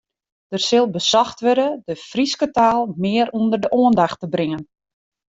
Der sil besocht wurde de Fryske taal mear ûnder de oandacht te bringen.